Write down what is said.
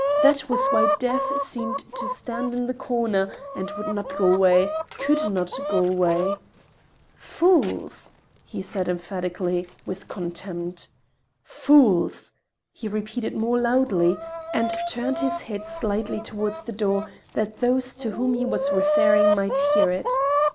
That was why Death seemed to stand in the corner and would not go away, could not go away! "Fools!" he said emphatically, with contempt. "Fools!" he repeated more loudly, and turned his head slightly toward the door that those to whom he was referring might hear it.